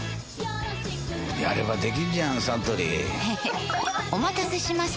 やればできんじゃんサントリーへへっお待たせしました！